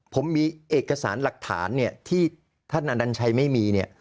ผมมีเอกสารหลักฐานเนี่ยที่ท่านอนัญชัยไม่มีเนี่ย